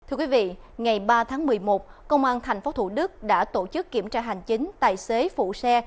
thưa quý vị ngày ba tháng một mươi một công an tp thủ đức đã tổ chức kiểm tra hành chính tài xế phụ xe